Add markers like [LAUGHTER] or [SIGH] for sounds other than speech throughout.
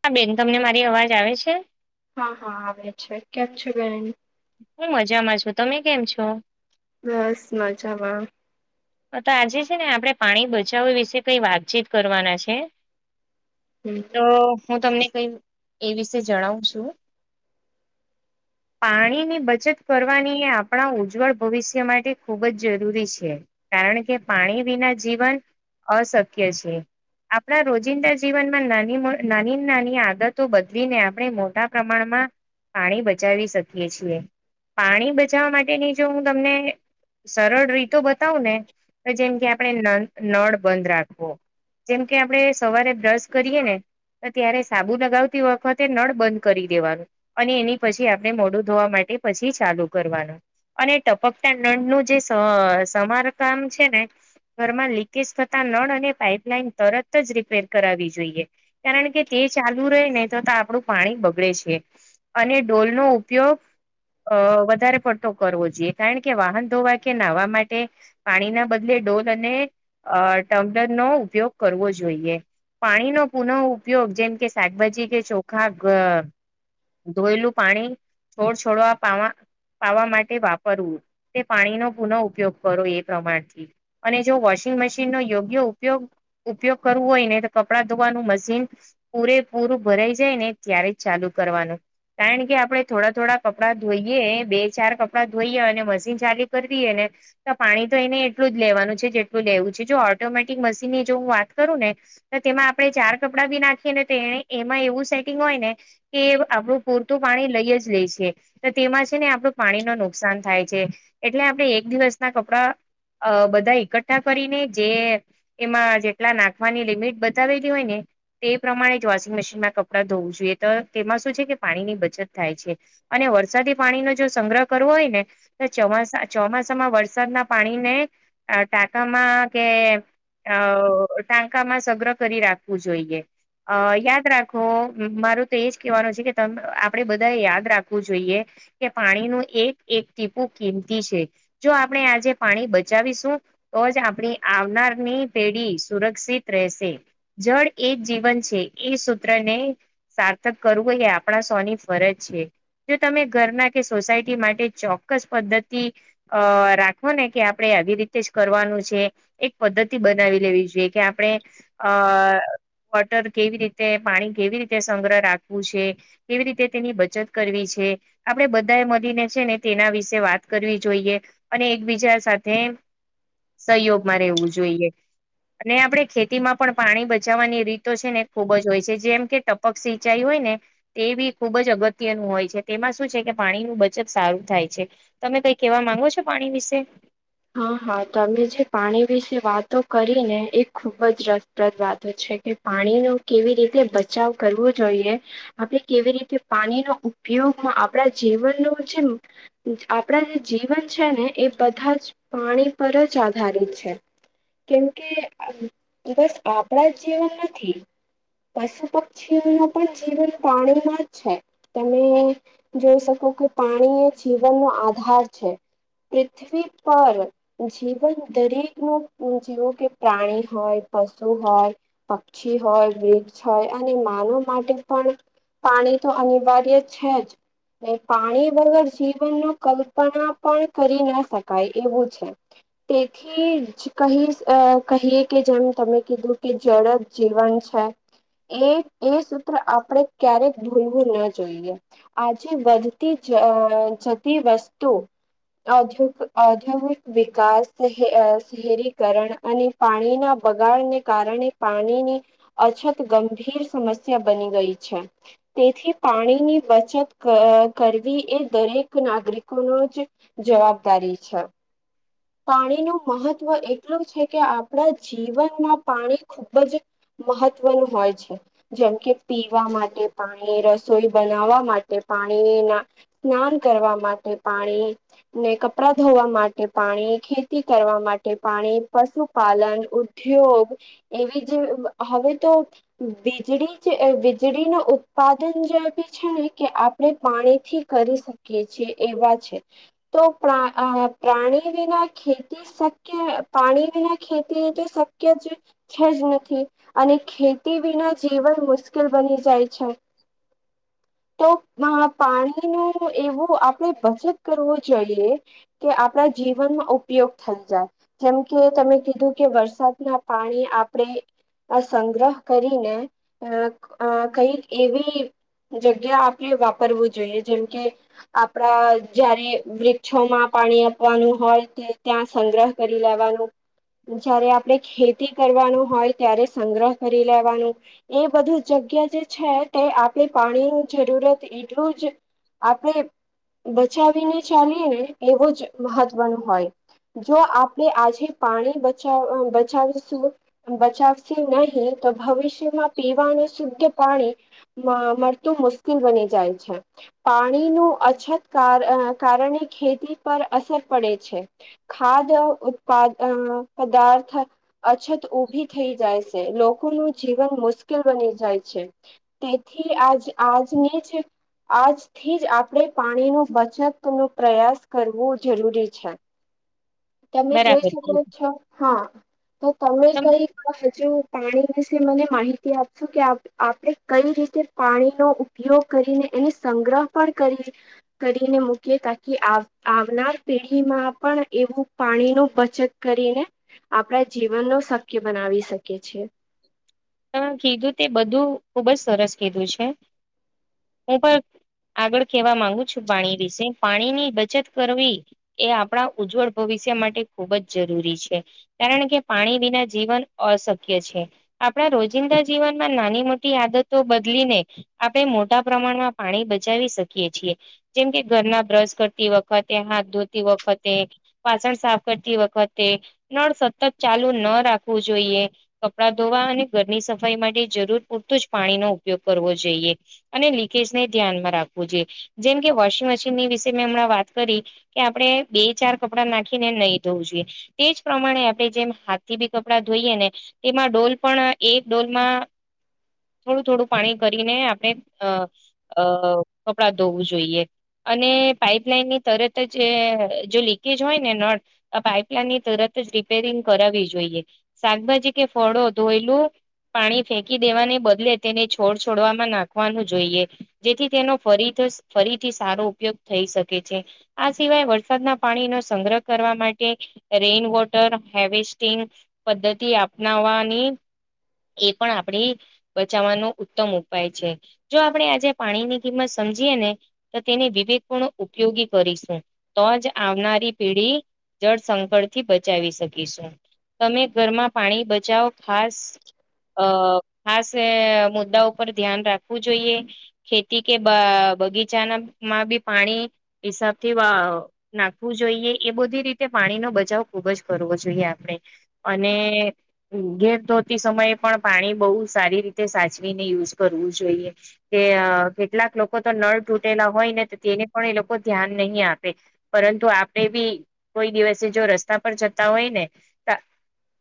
હા બેન તમને મારી અવાજ આવે છે. હા હા આવે છે કેમ છે બેન. હું મજામાં છું તમે કેમ છો. બસ મજામાં. કરતા તો આજે છે, ને આપણે પાણી બચાવવા વિશે કઈ વાતચીત કરવાના છે. હમ તો હું તમને કંઈ એ વિશે જણાવું છું. [INAUDIBLE] પાણીની બચત કરવાની એ આપણા ઉજ્જવળ ભવિષ્ય માટે ખૂબ જ જરૂરી છે. કારણ કે પાણી વિના જીવન અશક્ય છે. આપણા રોજિંદા જીવનમાં નાની નાની નાની આદતો બદલીને આપણે મોટા પ્રમાણમાં પાણી બચાવી શકીએ છીએ પાણી બચાવવા માટેની જો હું તમને સરળ રીતો બતાવું ને તો જેમ કે આપણે ના નળ બંધ રાખવો. જેમ કે આપણે સવારે બ્રશ કરીએ ને તો ત્યારે સાબુ લગાવતી વખતે નળ બંધ કરી દેવાનું અને એની પછી આપણે મોડું ધોવા માટે એ પછી ચાલુ કરવાનું અને ટપકતા નળ નું જે સા સમાર કામ છે ને ઘરમાં લીકેજ થતા નળ અને પાઈપલાઈન તરત જ રિપેર કરાવ કરાવી જોઈએ કારણ કે તે ચાલુ રહે ને તો આપણું પાણી બગડે છે અને ડોલ નો ઉપયોગ આ વધારે પડતો કરવો જોઈએ કારણ કે વાહન ધોવા કે નાવા માટ તે પાણીના બદલે ડોલ અને આ ટબલર નો ઉપયોગ કરવો જોઈએ. પાણીનો પુનઃ ઉપયોગ જેમ કે શાકભાજી કે ચોખા ધોયેલું પાણી છોડ છોડો આ પાવા પાવા માટે વાપરવું તે પાણીનો પુનઃ ઉપયોગ ભરોએ પ્રમાણથી જો વોશિંગ મશીન ન યોગ્ય ઉપયોગ ઉપયોગ કરવો હોય ને. કપડા ધોવાનું મશીન પૂરે પૂરું ભરાઈ જાય ને ત્યારે જ ચાલુ કરવાનું. કારણ કે આપણે થોડા થોડા કપડાં ધોઈએ બે ચાર કપડાં ધોઈએ અને મશીન ચાલુ કરવી. પાણી તો એને એટલું જ લેવાનું છે, જેટલું લેવું છે, જો ઓટોમેટિક મશીન ની જો હું વાત કરું ને તેમાં આપણે ચાર કપડાં બી નાખીએ ને તે એમાં એવું સેટિંગ હોય ને કે આપણું પૂરતું પાણી લઈ જ લઈ છે, તો તેમાં છે, ને આપણું પાણી ન નુકસાન થાય છે, એટલે આપણે એક દિવસ કપડા. અ બધા એકઠ્ઠા કરીને જે એમાં જેટલા નાખવાની લિમિટ બતાવેલી હોય ને. તે પ્રમાણે જ વોશિંગ મશીનમાં કપડાં ધોવું જોઈએ તો તેમાં શું છે કે પાણી ની બચત થાય છે અને. વરસાદી પાણી ન જો સંગ્રહ કરવો હોય ને તો ચો ચોમાસામાં વર. વરસાદના પાણીને ટાંકામાં કે. અ ટાંકામાં સગ્ર કરી રાખવું જોઈએ. અ યાદ રાખો મારું તો એજ કહેવાનું છે કે આપડે બધા યાદ રાખવું જોઈએ. કે પાણી ન એક એક ટીપુ કિંમતી છે જો આપ. આપણે આજે પાણી બચાવીશું તો જ આપણી આવનારની પેઢી સુરક્ષિત રહેશે. જળ એ જીવન છે એ સૂત્રને. સાર્થક કરવું હોય એ આપણા સોની ફરજ છે. જો તમે ઘરના કે સોસાયટી માટે ચોક્કસ પદ્ધતિ અ. રાખવા ને કે આપણે આવી રીતે જ કરવાનું છે એક પદ્ધતિ બનાવી લેવી જોઈએ કે આપણે. હ [UNINTELLIGIBLE] વોટર કેવી રીતે પાણી કેવી રીતે સંગ્રહ રાખવું છે કેવી રીતે તેની બચત કરવી છે. આપડણે બધાએ મળીને છે ને તેના વિશે વાત કરવી જોઈએ. અને એકબીજા સાથે સહયોગમાં રહેવું જોઈએ. અને આપણે ખેતીમાં પણ પાણી બચાવવાની રીતો છે ને ખુબ જ હોય છે જેમ કે ટપક સિંચાઈ હોય. તે બી ખુબ જ અગત્યનું હોય છે તેમાં શું છે કે પાણી ન બચત સારું થાય છે તમે. તમે કઈ કેહેવા માંગો છો પાણી વિશે. હા હા તમે જે પાણી વિશે વાતો કરી ને એ ખુબ જ રસપ્રદ વાતો છે. કે પાણી ન કેવી રીતે બચાવ કરવો જોઈએ આપણે કેવી રીતે પાણીનો. ઉપયોગમાં આપણા જીવનનું જે આપણા જે જીવન છે ને એ બધા જ. પાણી પર જ આધારિત છે. કેમકે બસ આપણા જ જીવન નથી. પશુ પક્ષીઓ ન પણ જીવન પાણીમાં જ છે તમે જોઈ શકો. કે પાણી એ જીવનનોો આધાર છે પૃથ્વી. પર જીવન દરેક ન જેવો કે પ્રાણી હોય પશુ હોય. પક્ષી હોય વૃક્ષ હોય અને માનવ માટે પણ. પાણી તો અનિવાર્ય છે જ. પાણી વગર જીવન ન કલ્પના પણ કરી ના શકે. એવું છે તેથી કહી કહીએ કે જેમ તમે કીધું કે. જડ જ જીવન છે. એ એ સૂત્ર આપણે ક્યારેક ભૂલવું ના જોઈએ આજે વધતી જ. જ જતી વસ્તુ અધિક. ઔદ્યોગિક વિકાસ શહેરીકરણ અને પાણીના બગાડને કારણે. પાણીની અછત ગંભીર સમસ્યા બની ગઈ છે તેથી પાણી. ની બચત કરવી એ દરેક નાગરિકો ન જ જવાબદારી છે. અચ્છા. પાણીનું મહત્ત્વ એટલું છે કે આપણા જીવનમાં પાણી ખુબ જ. મહત્વનું હોય છે જેમ કે પીવા માટે પાણી, રસોઈ બનાવવા માટે. પાણીને સ્નાન કરવા માટે, પાણીને કપડા ધોવા માટે. પાણી ખેતી કરવા માટે, પાણી પશુપાલન, ઉદ્યોગ એવી જે. હવે તો વીજળી વીજળી ન ઉત્પાદન જે આપી છેને આપણે પાણીથી કરી શકીએ છીએ એવા છે તો પ્રાણી. પાણી વિના ખેતી શક્ય પાણી વિના ખેતી તો શક્ય જ છે જ નથી. અને ખેતી વિના જીવન મુશ્કેલ બની જાય છે. [INAUDIBLE] તો પાણીનું એવું આપણેે બચત કરવો જોઈએ કે આપડા જીવનમાં ઉપયોગ થઈ જાય જેમકે તમે કીધું કે વરસાદના પાણી આપણે. આ સંગ્રહ કરીને અ અ કઈક એવી. જગ્યા આપણે વાપરવું જોઈએ જેમ કે આપણા જયારે વ્રિક્ષોમા પાણી પવાનુ હોય ત્યાં સંગ્રહ કરી લેવાનું. જયારે આપડે ખેતી કરવાનુ હોય ત્યારે સંગ્રહ કરી લેવાનું એ બધું જગ ગ્યા જે છે તે આપણે પાણી નુ જરૂરત એટલું જ આપણે બચાવીને ચાલીએને એવો જ મહત્વનું હોય. જો આપણે આજે પાણી બચાવ બચાવશુ બચાવશું નહી. તો ભવિષ્યમાં પીવાનું શુદ્ધ પાણી મળતું મુશ્કેલ બની જાય છે. પાણીનુ અછત કાર કારણે ખેતી પર અસર પડે છે ખાદ ઉત્પાદ અ પદાર્થ અછત ઉભી થઈ જાય સે લો કોનું જીવન મુશ્કેલ બની જાય છે તેથી આજ આજની જ. આજથી જ આપણે પાણી નું બચત નો પ્રયાસ કરવો. જરૂરી છે. તમે જોઈ બરાબર શકો કીધું છો હા તો તમે તમ કઈક હજુ. પાણી વિશે મને માહિતી આપશો કે આપ આપડે કઈ રીતે પાણીનો ઉપયોગ કરીને એને સંગ્રહ પણ કરી કરીને મૂકીએ તાકી આવનાર પેઢીમાં પણ એવું પાણી નું બચત કરીને આપણા જીવન નુ શક્ય બનાવી શકી છે. કીધું તે બધું ખુબ જ સરસ કીધું છે. હું પણ આગળ કહેવા માંગુ છું પાણી વિશે પાણીની બચત કરવી એ આપણા ઉજ્જવળ ભવિ ષય માટે ખૂબ જ જરૂરી છે કારણ કે પાણી વિના જીવન અશક્ય છે. આપણા રોજિંદા જીવનમાં નાની મોટી આદતો બદલીને આપણે મોટા પ્રમાણમા પા ણી બચાવી શકીએ છીએ જેમ કે ઘરના બ્રશ કરતી વખતે હાથ ધોતી વખતે વાસણ સાફ કરતી વખતે નળ સતત ચાલુ ન રાખવુ જોઈએ. કપડા ધોવા અને ઘરની સફાઈ માટે જરૂર પૂરતું જ પાણીનો ઉપયોગ કરવો જોઈએ અને લીકેજ ને ધ્યાન માં રાખવુ જોઈએ જેમ કે વોશિંગ મશીનની વિશે મે હમણા વાત કરી કે આપણે બે ચાર કપડા નાખીને નહીં ધોવુ જોઈએ તેજ પ્રમાણે આપણે જેમ હાથ થી બી કપડા ધોઈએને. તેમાં ડોલ પણ એક ડોલમાં થોડું થોડું પાણી કરીને આપણે અ અ કપડાં ધોવું જોઈએ. અને પાઈપલાઈનની તરત જ જો લીકેજ હોય ને નળ આ પાઈપલાઈનની તરત રીપેરિંગ કરાવવી જોઈએ શાકભાજી કે ફળો ધોયેલુ. પાણી ફેકી દેવાને બદલે તેને છોડ છોડવામાં નાખવાનું જોઈએ જેથી તેનો ફરી ફરીથી સારો ઉપયોગ થઈ શકે છે આ સિવાય વરસાદના પાણીનો સંગ્રહ કરવા મા કે રેન વોટર, હાર્વેસ્ટિંગ પદ્ધતિ અપનાવાની એ પણ આપણે બચાવવાનો ઉત્તમ ઉપાય છે જો આપણે આજે પાણીની કિંમત સ મજીએ ને તો તેને વિવેકપૂર્ણ ઉપયોગી કરીશું તો જ આવનારી પેઢી જળ સંકળથી બચાવી શકીશું તમે ઘરમાં પાણી બચાવો ખાસ. અ ખાસ એ મુદ્દા ઉપર ધ્યાન રાખવું જોઈએ ખેતી કે‌ બા બગીચાનામાં બી પાણી હિસાબ થી અ નાખવું જોઈએ એ બધી રીતે પાણી નો બચાવ ખુબ જ કરવો જોઈએ આપણે અને ઘેર ધોતી સમયે પણ, પાણી બહુ સારી રીતે સાચવીને યુઝ કરવું જોઈએ કે કેટલાક લોકો તો નળ તૂટેલા હોય ને તો તેને પણ એ લોકો ધ્યાન નહીં આપે. પરંતુ આપણે બી કોઈ દિવસે જો રસ્તા પર જતા હોયને તા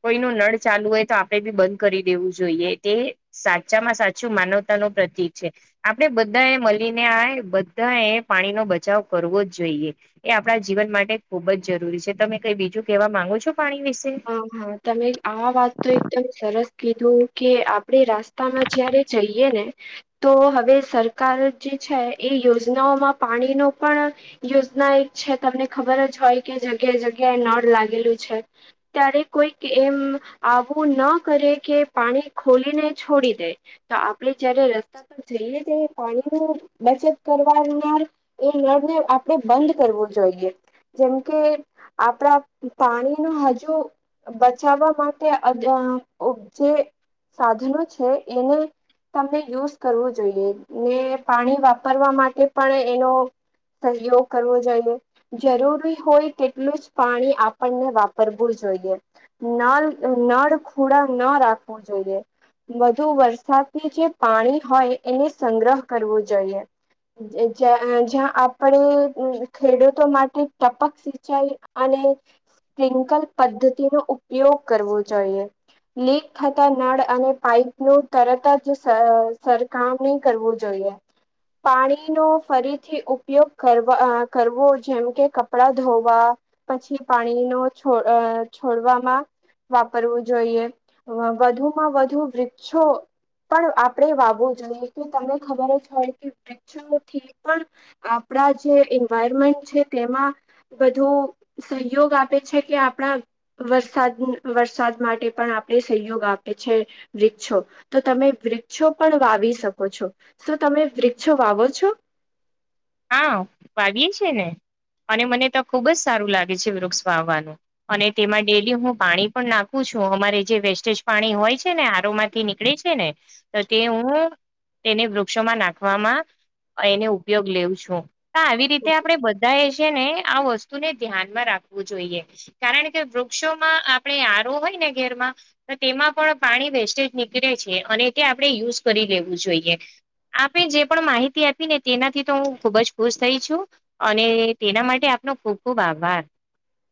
કોઈનું નળ ચાલુ હોય તો આપડે બી બંધ કરી દેવું જોઈએ તે, સાચામાં સાચું માનવતા ન પ્રતિક છે. આપણેે બધા એ મળીને આ બધા એ પાણી નો બચાવ કરવો જ જોઈએ આપણા જીવન માટે ખૂબ જ જરૂરી છે, તમે કઈ બીજું કહેવા માંગો છો. પાણી વિશે? હા, હા તમે આ વાત તો એકદમ સર સ કીધું કે આપણે રાસ્તામાં જયારે જઈએ ને તો, હવે સરકાર જે છે, એ યોજનાઓમાં પાણી નો પણ યોજના એક છે, તમને ખબર જ હોય કે જગ્યા જગ્યાએ નળ લાગેલું છે. ત્યારે કોઈક એમ આવું ના કરે કે પાણી ખોલીને છોડી દે તો આપડે જયારે રસ્તા પર જઈએ તે પાણી નુ બચત કરવાનાર એ નળ ને આપડે બંધ કરવું જોઈએ જેમ કે આપણા પાણી નુ હજુ બચાવવા માટે ઉપજે સાધનો છે, એને તમને યુઝ કરવું જોઈએ ને પાણી વાપરવા માટે પણ એનો સહયોગ કરવો જોઈએ જરૂરી હોય, તેટલું જ પાણી આપણને વાપર પરવું જોઈએ નલ નળ ખોડા ન રાખવું જોઈએ. વધુ વરસાદની જે પાણી હોય એને સંગ્રહ કરવો જોઈએ જ્યાં આપણે ખેડૂતો માટે ટપક સિંચાઈ અને સ્પ્રિંકલ પદ્ધતિ નો ઉપયોગ કરવો જોઈએ. લીક થતા નળ અને, પાઈપ નું તરત જ સર સરખામણી કરવું જોઈએ એ પાણીનો ફરીથી ઉપયોગ કરવા કરવો જેમ કે, કપડા ધોવા પછી, પાણી નો છો છોડવામાં વાપરવું જોઈએ વધુમાં વધુ વૃક્ષો પણ આપણેે વાવવું જોઈએ કે તમને ખબર જ હોય કે વૃક્ષોથી પણ આપણા જે એન્વાયરમેન્ટ છે, તેમાં બધુ સહયોગ આપે છે. કે આપણા વરસાદ વરસાદ માટે પણ આપણે સહયોગ આપે છે, વૃક્ષો તો તમે વૃક્ષો પણ વાવી શકો છો શું તમે વૃક્ષો વાવો છો. હા, વાવીએ છે, ને અને મને તો ખુબ જ સારું લાગે છે, વૃક્ષ વાવવાનું અને તેમાં ડેલી હું પાણી પણ નાખું છું. શું અમારે જે વેસ્ટેજ પાણી હોય છે, ને આરો માંથી નીકળે છે ને તો તે હું. તેને વૃક્ષોમાં નાખવામાં એને ઉપયોગ લેવ છો તો આવી રીતે આપડે બધા છે, ને આ વસ્તુને ધ્યાનમાં રાખવું જોઈએ કારણ કે વૃક્ષોમાં આપણે આ. રો હોય ઘરમાં તો, તેમાં પણ પાણી વેસ્ટેજ નીકળે છે અને તે આપણે યુઝ કરી લેવું જોઈએ આપે જે પણ માહિતી આપી ને તેનાથી તો હું ખુબ જ ખુશ થઈ છું અને તેના માટે આપનો ખૂબ, ખુબ આભાર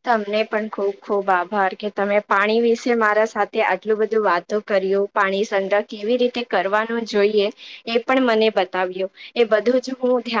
તમને પણ ખુબ ખુબ આભાર કે તમે, પાણી વિશે મારા સાથે આટલું બધું વાતો કરી પાણી સંગ્ર કેવી રીતે કરવાનું જોઈએ એ પણ મને બતાવ્યું એ બધું હું, ધ્યાન